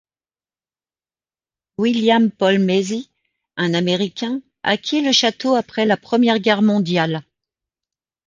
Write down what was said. William Paul Measy, un Américain, acquit le château après la Première Guerre mondiale.